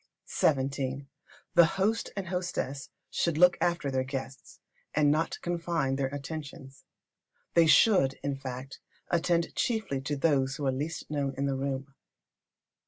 xvii. The host and hostess should look after their guests, and not confine their attentions. They should, in fact, attend chiefly to those who are the least known in the room.